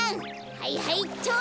はいはいっちょ！